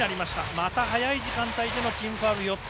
また早い時間帯でのチームファウル４つ。